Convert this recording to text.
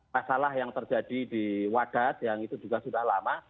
masalah yang terjadi di wadat yang itu juga sudah lama